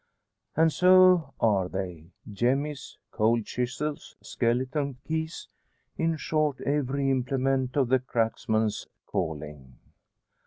And so are they, jemmies, cold chisels, skeleton keys in short, every implement of the cracksman's calling.